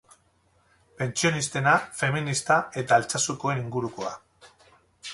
Pentsionistena, feminista eta Altsasukoen ingurukoa.